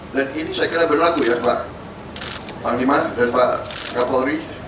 dan ini saya kira berlaku ya pak panglima dan pak kapolri